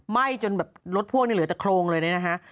ไหม้จนแบบรถพ่วงนี่เหลือแต่โครงเลยเนี่ยนะฮะ